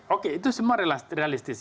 oke itu semua realistis